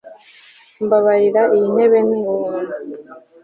Mbabarira iyi ntebe ni ubuntu